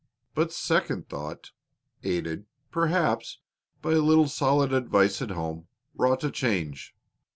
But second thought, aided, perhaps, by a little solid advice at home, wrought a change.